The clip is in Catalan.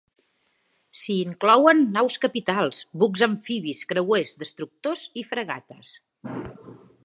S'hi inclouen naus capitals, bucs amfibis, creuers, destructors i fragates.